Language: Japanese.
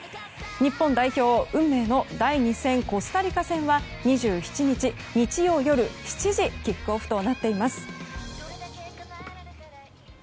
日本代表運命の第２戦コスタリカ戦は２７日日曜夜７時キックオフとなっています。